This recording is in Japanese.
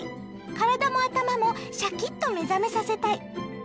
体も頭もシャキッと目覚めさせたい。